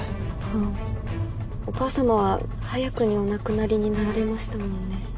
あお母様は早くにお亡くなりになられましたもんね。